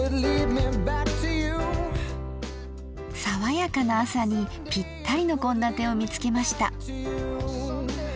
さわやかな朝にぴったりの献立を見つけました。